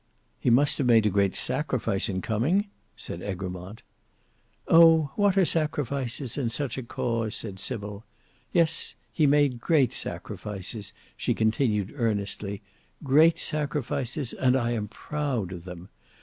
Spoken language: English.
"He must have made a great sacrifice in coming?" said Egremont. "Oh! what are sacrifices in such a cause!" said Sybil. "Yes; he made great sacrifices," she continued earnestly; "great sacrifices, and I am proud of them.